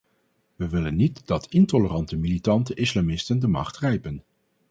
We willen niet dat intolerante militante islamisten de macht grijpen.